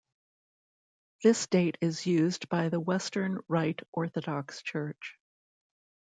This date is used by the Western Rite Orthodox Church.